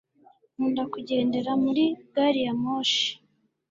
Nkunda kugendera muri gari ya moshi